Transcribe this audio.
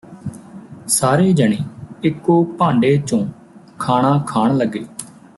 ਸਾਰੇ ਜਣੇ ਇਕੋ ਭਾਂਡੇ ਚੋਂ ਖਾਣਾ ਖਾਣ ਲੱਗੇ